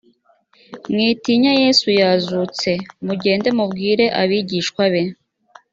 mwitinya yesu yazutse mugende mubwire abigishwa be